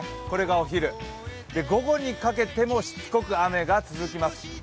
これがお昼、午後にかけてもしつこく雨が続きます。